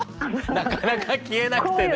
なかなか消えなくてね。